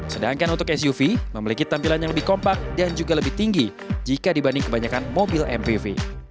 sedangkan untuk suv memiliki tampilan yang lebih kompak dan juga lebih tinggi jika dibanding kebanyakan mobil mpv